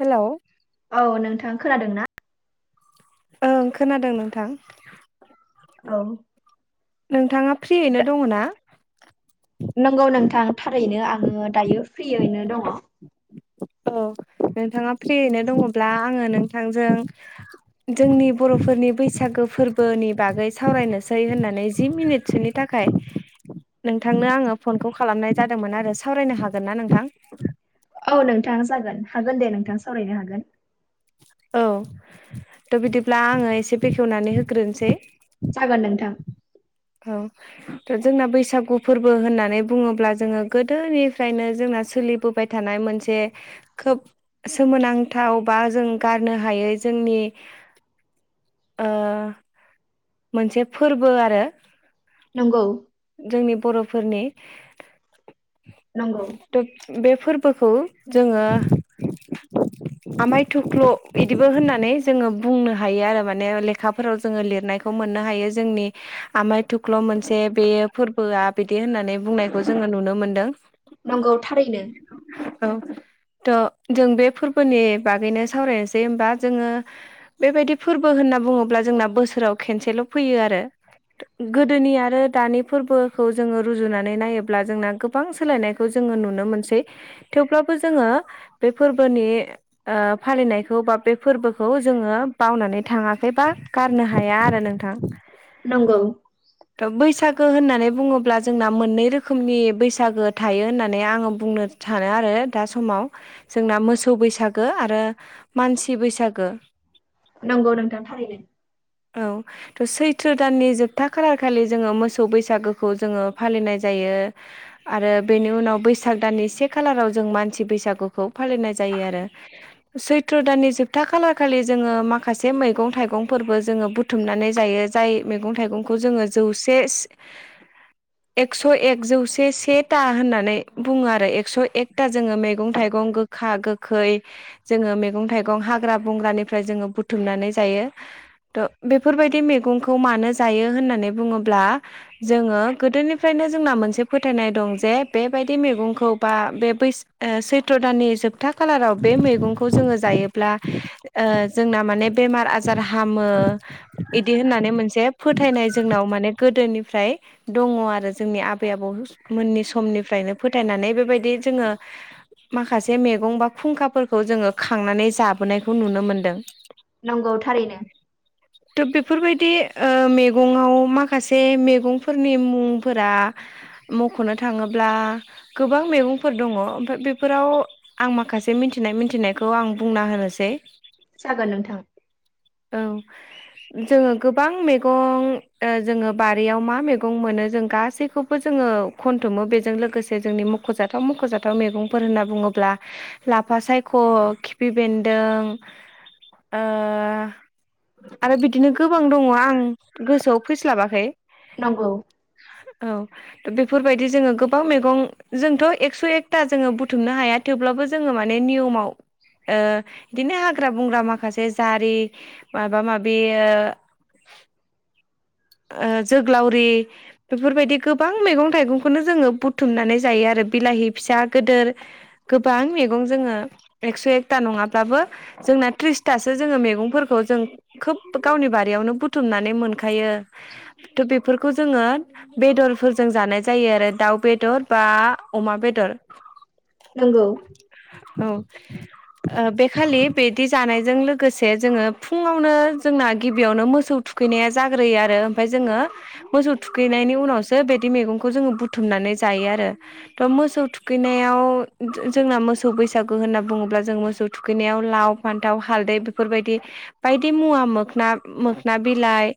हेल' औ नोंथां खोनादों ना ओं खोनादों नोंथां औ नोंथाङा फ्रियैनो दा- दङ ना नंगौ नोंथां थारैनो आङो दायो फ्रियैनो दङ औ नोंथाङा फ्रियैनो दङब्ला आङो नोंथांजों जोंनि बर'फोरनि बैसागो फोरबोनि बागै सावरायनोसै होननानै जि मिनिटसोनि थाखाय थाखाय नोंथांनो आङो फनखौ खालामनाय जादोंमोन आरो सावरायनो हागोन ना नोंथां औ नोंथां जागोन हागोन दे नोंथाङा सावरायनो हागोन औ थ' बिदिब्ला आङो एसे बेखेवनानै होग्रोनोसै जागोन नोंथां औ जोंना बैसागो फोरबो होननानै बुङोब्ला जोङो गोदोनिफ्रायनो जोंना सोलिबोबाय थानाय थानाय मोनसे खोब सोमोनांथाव बा जों गारनो हायै जोंनि ओ मोनसे फोरबो आरो नंगौ जोंनि बर'फोरनि नंगौ बे फोरबोखौ जोङो आमाय थख्ल बिदिबो होननानै जोङो बुंनो हायो आरो माने लेखा लेखाफोराव जोङो लिरनायखौ मोननो हायो जोंनि आमाय थुख्ल' मोनसे बे फोरबोआ बिदि होननानै बुंनायखौ जोङो नुनो मोनदों नंगौ थारैनो औ थ' जों बे फोरबोनि बागैनो सावरायनोसै होमबा जोङो बेबायदि फोरबो होनना बुङोब्ला जोंना बोसोराव खेनसेल' फैयो आरो गोदोनि आरो दानि फोरबोखौ जोङो रुजुनानै नायोब्ला जोंना गोबां सोलायनायखौ खौ जोङो नुनो मोनसै थेवब्लाबो जोङो बे फोरबोनि अ फालिनायखौ बा बे फोरबोखौ जोङो बावनानै थाङाखै बा गारनो हाया आरो नोंथां नंगौ बैसागो होननानै बुङोब्ला जोंना मोननै रोखोमनि बैसागो थायो होननानै आङो बुंनो सानो आरो दा समाव जोंना मोसौ बैसागो आरो मानसि बैसागो नंगौ नोंथां थारैनोै औ थ' सैथ्र दाननि जोबथा था खालार खालि जोङो मोसौ बैसागोखौ जोङो फालिनाय जायो आरो बेनि उनाव बैसाग दाननि से खालाराव जों मानसि बैसागोखौ फालिनाय जायो आरो सैत्र' दाननि जोबथा खालारखालि जोङो माखासे मैगं थाइगंफोरबो जोङो बुथुमनानै बुथुमनानै जायो जाय मैगं थाइगंखौ जोङो जौसे एकस' एक जौसे सेथा होननानै बुङो आरो एकस' एकथा जोङो मैगं थाइगं गो- गोखा गोखै जोङो मैगं थाइगं हाग्रा बंग्रानिफ्राय जोङो बुथुमनानै जायो। थ' बेफोरबायदि मैगंखौ मानो जायो होननानै बुङोब्ला जोङो गोदोनिफ्रायनो जोंना मोनसे फोथायनाय दं जे बेबायदि मैगंखौ बा बे बैसा- ओ सैथ्र' दाननि जोबथा खालाराव बे मैगंखौ जोङो जायोब्ला ओ जोंना माने बेमार आजार हामो इदि होननानै मोनसे फो- थायनाय जोंनाव माने गोदोनिफ्राय दङ' आरो जोंनि आबै आबौ मोननि समनिफ्रायनो फोथायनानै बेबायदि जोङो माखासे मैगं बा खुंखाफोरखौ जोङो खांनानै जाबोनायखौ नुनो मोनदों। नंगौ थारैनो थ' बेफोरबायदि ओ मे गङाव माखासे मैगंफोरनि मुंफोरा मख'नो थाङोब्ला गोबां मैगंफोर दङ' ओमफ्राय बेफोराव आं माखासे मिथिनाय मिथिनायखौ आं बुंना होनोसै जागोन नोंथां औ जोङो गोबां मैगं जोङो बारियाव मा मैगं मोनो जों गासैखौबो जोङो खनथुमो बेजों लोगोसे जोंनि मख'जाथाव मख'जाथाव मैगंफोर होनना बुङोब्ला लाफा सायख' खिफि बेन्दों ओ आरो बिदिनो गोबां दङ' आं गोसोआव फैस्लाबाखै नंगौ औ दा बेफोरबायदि जोङो गोबां मैगं जोंथ' एकस' एकथा जोङो बुथुमनो हाया थेवब्लाबो जोङो माने नियमाव ओ इदिनो हाग्रा बंग्रा माखासे जारि माबा माबि ओ ओ जोग्लावरि बेफोरबायदि गोबां मैगं थाइगंखौनो जोङो बुथुमनानै जायो आरो बिलाहि फिसा गोदोर गोबां मैगं जोङो एक्स' एकथा नङाब्लाबो जोंना त्रिसथासो जोङो मैगंफोरखौ जों खोब गावनि बारियावनो बुथुमनानै मोनखायो थ' बेफोरखौ जोङो बेदरफोरजों जानाय जायो आरो दाउ बेदर बा अमा बेदर नंगौ औ ओ बेखालि बिदि जानायजों लोगोसे जोङो फुङावनो जोंना गिबियावनो मोसौ थु- खैनाया जाग्रोयो आ- रो ओमफ्राय जोङो मोसौ थुखैनायनि उनावसो बिदि मैगंखौ जोङो बुथुमनानै जायो आरो थ' मोसौ थुखैनायाव जोंना मोसौ बैसागु होनना बुङोब्ला जों मोसौ थुखैनायाव लाव फान्थाव हालदै बेफोरबायदि बायदि मुवा मोख मोखना बिलाइ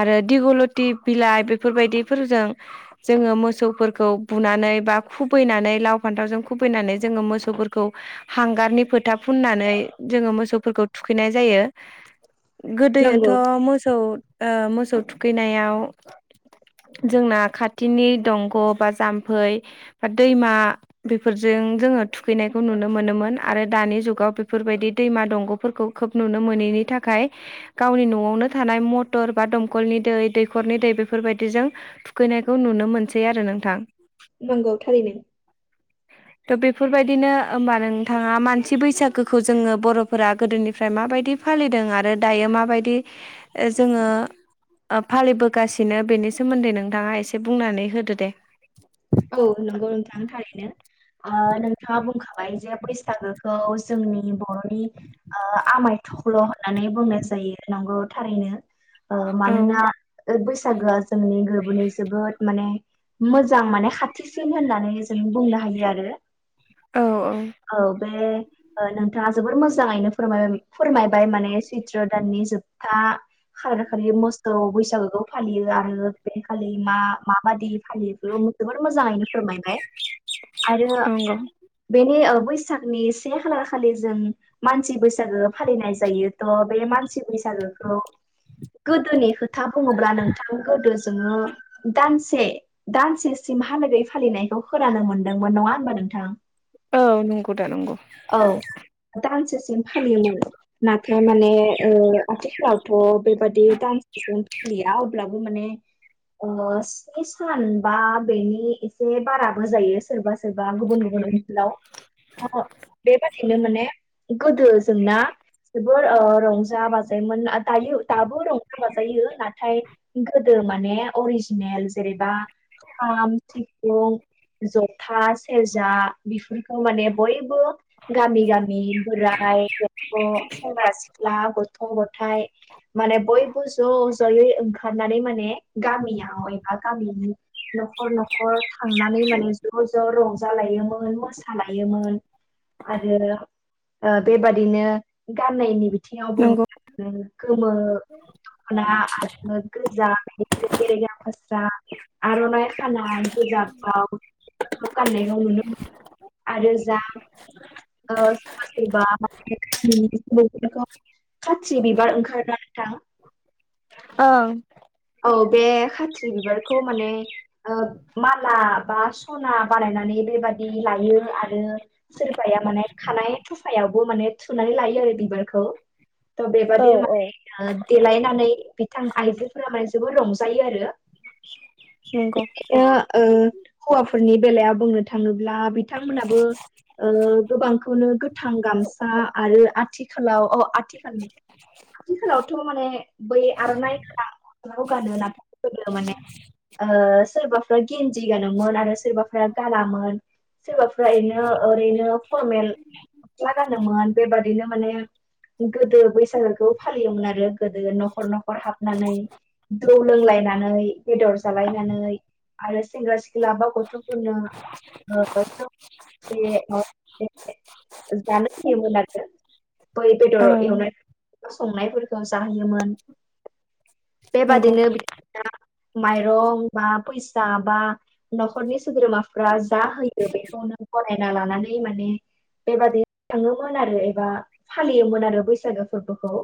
आरो दिगलति बिलाइ बेफोरबायदिफोरजों जोङो मोसौफोरखौ बुनानै बा खुबैनानै लाव फान्थावजों खुबैनानै जोङो मोसौफोरखौ हांगारनि फोथा फुननानै जोङो मोसौफोरखौ थुखैनाय जायो। गोदोयोथ' नंगौ मोसौ ओ मोसौ थुखैनायाव जोंना खाथिनि दंग' बा जाम्फै बा दैमा बेफोरजों जोङो थुखैनायखौ नुनो मोनोमोन आरो दानि जुगाव बेफोरबायदि दैमा दंग'फोरखौ खोब नुनो मोनैनि थाखाय गावनि न'आवनो थानाय म- टर बा दमखलनि दै दैखरनि दै बेफोरबायदिजों थुखैनायखौ नुनो मोनसै आरो नोंथां। नंगौ थारै नो। [inaudible] थ बेफोरबायदिनो होमबा नोंथाङा मानसि बैसागोखौ जोङो बर'फोरा गोदोनिफ्राय माबायदि फालिदों आरो दायो माबायदि जोङो फालिबोगासिनो बेनि सोमोन्दै नोंथाङा एसे बुंनानै होदो दे औ नंगौ नोंथांनि थाखायनो आ नोंथाङा बुंखाबाय जे बैसागोखौ जोंनि बर'नि ओ आमाय थख्ल होननानै बुंनाय जायो नंगौ थारैनो ओ औ मानोना बैसागोआ जोंनि गोरबोनि जोबोद माने मोजां माने खा थिसिन होननानै जों बुंनो हायो आरो औ औ बे ओ नोंथाङा जोबोर मोजाङैनो फोर फोरमायबाय माने सैत्र दाननि जोबथा खालारखालि मोसौ बैसागोखौ फालियो आरो बेंखालि मा माबायदि फालियो इखौ जोबोर मोजाङैनो फोरमायबाय आरो नंगौ बेनि बैसागनि से खालार खालि जों मानसि बैसागो फालिनाय जायो थ बे मानसि बैसागोखौ गोदोनि खोथा बुङोब्ला नोंथां गोदो जोङो दानसे दानसे सिमहालागै फालिनायखौ खोनानो मोनदोंमोन नङा होनबा नोंथां औ नंगौ दा नंगौ औ दानसेसिम फालियोमोन नाथाय माने ओ आथिखालावथ बेबादि दानसेसिम फालिया अब्लाबो माने स्नि सान बा बेनि एसे बाराबो जायो सोरबा सोरबा गुबुन गुबुन ओनसोलाव बेबादिनो माने गोदो जोंना जोबोर रंजा बाजायोमोन दायो दाबो रंजा बाजायो नाथाय गोदो माने अरिजिनेल जेरैबा खाम सिफुं जथा सेरजा बेफोरखौ माने बयबो गामि गामि बोराइ बेंथ' सेंग्रा सिख्ला गथ गथाय माने बयबो ज जयै ओंखारनानै माने गामियाव एबा गामिनि न'खर न'खर थांनानै माने ज ज रंजालायोमोन मोसालायोमोन आरो बेबादिनो गाननायनि बिथिङावबो नंगौ गोमो दखना आरो गोजा रेगे रेगां फास्रा आरनाइ खानाय गोजा ब्लाउज बेखौ गान्नायखौ नुनो मोनो आरो जा [inaudible] ओ सोरबा सोरबा [unintelligible] खाथ्रि बिबार ओंखारोना नोंथां ओं औ बे खाथ्रि बिबारखौ माने मा ला बा सना बानायनानै बेबादि लायो आरो सोरबाया माने खानाय खफायावबो माने थुनानै लायो आरो बिबारखौ थ औ बेबादि औ माने देलायनानै बिथां आइजोफोरा माने जोबोर रंजायो आरो नंगौ बे ओ ओ हौवाफोरनि बेलाया बुंनो थाङोब्ला बिथांमोनाबो ओ गोबांखौनो गोथां गामसा आरो आथिखालाव अ आथिखाल आथिखालावथ माने बै आरनाइ गोनां गस्लाखौ गानो नाथाय गोदो माने ओ सोरबाफ्रा गेन्जि गानोमोन आरो सोरबाफोरा गानामोन सोरबाफ्रा एरिनो ओरैनो फरमेल गस्ला गानोमोन बेबादिनो माने गोदो बैसागोखौ फालियोमोन आरो गोदो न'खर न'खर हाबनानै जौ लोंलायनानै बेदर जालायनानै आरो सेंग्रा सिख्ला बा गथ'फोरनो [unintelligible] [inaudible] [unintelligible] बै बेदर ओं एवनाय संनायफोरखौ जाहोयोमोन नंगौ बेबादिनो माइरं बा फैसा बा न'खरनि सोद्रोमाफ्रा जा होयो बेखौनो फरायना लानानै माने बेबादि थाङोमोन आरो एबा फालियोमोन आरो बैसागो फोरबोखौ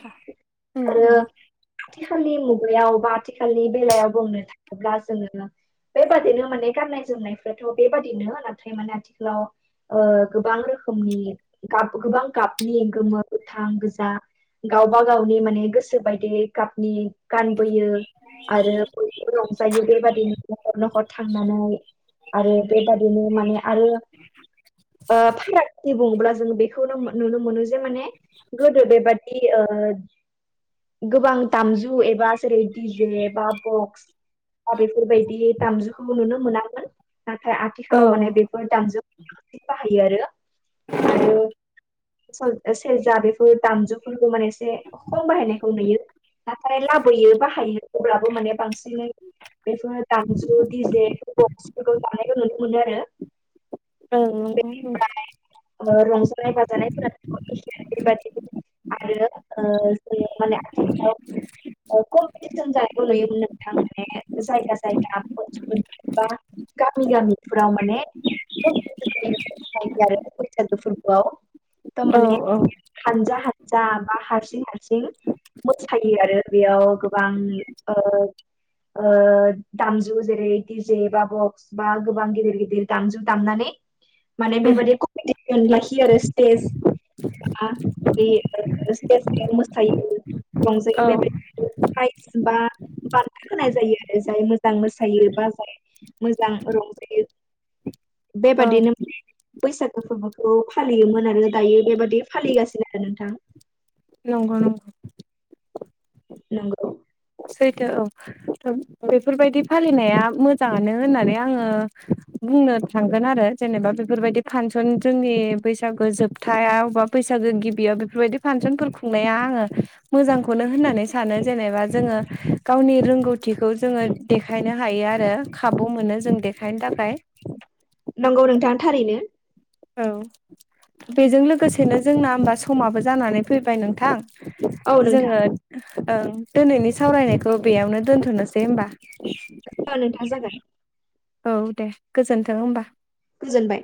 उम उम खेलिनि मुगायाव बा आथिखालनि बेलायाव बुंनो थाङोब्ला जोङो बेबादिनो माने गाननाय जोमनायफ्राथ' बेबादिनो नाथाय माने आथिखालाव ओ गोबां रोखोमनि गाब गोबां गाबनि गोमो गोथां गोजा गावबा गावनि माने गोसो बायदि गाबनि गानबोयो आरो बयबो रंजायो बेबादिनो न'खर न'खर थांनानै आरो बेबादिनो माने आरो ओ फारागथि बुङोब्ला जोङो बेखौनो नुनो मोनो जे माने गोदो बेबादि ओ गोबां दामजु एबा जेरै दिडिजे बा बक्स बा बेफोरबायदि दामजुखौ नुनो मोनामोन नाथाय औ आथिखालाव माने औ बेफोर दामजु [unintelligible] बाहायो आरो आरो सर सेरजा बेफोर दामजुफोरखौ माने एसे खम बाहायनायखौ नुयो नाथाय लाबोयो बाहायो अब्लाबो माने बांसिनै बेफोर दामजु दिजे बक्सफोरखौ दामनायखौ नुनो मोनो आरो ओं ओं ओं ओ रंजानाय बाजानायफोरा [unintelligible] आरो ओ जोङो माने आथिखालाव ओ कम्पिटिसन जानायखौ नुयोमोन नोंथां माने जायगा जायगा [unintelligible] बा गामि गामि फोराव माने कमपिटिसन जायो आरो बैसागो फोरबोआव [unintelligible] एगजम औ माने औ हानजा हानजा बा हारसिं हारसिं मोसायो आरो बेयाव गोबां ओ ओ दामजु जेरै दिजे बा बक्स बा गोबां गिदिर गिदिर दामजु दामनानै माने उम बेबादि कमपिटिसन लाखियो आरो स्टेज बा बे स्टेज मोसायो रंजो औ बे [unintelligible] प्राइस बा बान्था होनाय जायो आरो जाय मोजां मोसायो बा जाय मोजां रंजायो औ बेबादिनो माने बैसागो फोरबोखौ फालियोमोन आरो दायो बेबादि फालिगासिनो आरो नोंथां नंगौ नंगौ नोंगौ सेैथो औ बेफोरबायदि फालिनाया मोजाङानो होननानै आङो बुंनो थांगोन आरो जेनेबा बेफोरबायदि फांसन जोंनि बैसागु जोबथाया अबबा बैसागो गिबियाव बेफोरबायदि फांसनफोर खुंनाया आङो मोजांखौनो होननानै सानो जेनेबा जोङो गावनि रोंगौथिखौ जोङो देखायनो हायो आरो खाबु मोनो जों देखायनो थाखाय नंगौ नोंथां थारैनो औ बेजों लोगोसेनो जोंना होमबा समाबो जानानै फैबाय नोंथां औ नोंथां जोङो ओं दिनैनि सावरायनायखौ बेयावनो दोनथ'नोसै होमबा औ नोंथाङा जागोन औ दे गोजोन्थों होमबा गोजोनबाय